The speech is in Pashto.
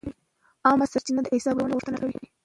عامه سرچینې د حساب ورکونې غوښتنه کوي.